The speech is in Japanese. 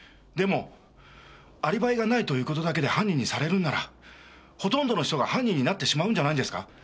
でもアリバイがないという事だけで犯人にされるんならほとんどの人が犯人になってしまうんじゃないんですか？